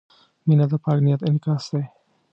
• مینه د پاک نیت انعکاس دی.